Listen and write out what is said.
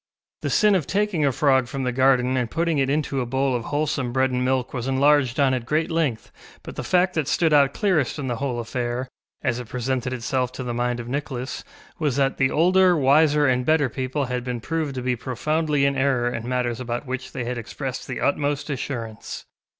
The sin of taking a frog from the garden and putting it into a bowl of wholesome bread and milk was enlarged on at great length, but the fact that stood out clearest in the whole affair, as it presented itself to the mind of Nicholas, was that the older, wiser, and better people had been proved to be profoundly in error in matters about which they had expressed the utmost assurance.